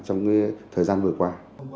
trong thời gian vừa qua